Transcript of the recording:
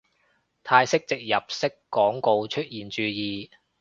泰式植入式廣告出現注意